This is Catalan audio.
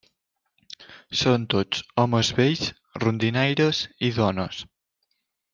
Són tots homes vells rondinaires i dones.